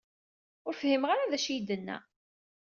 Ur fhimeɣ ara d acu ay d-yenna.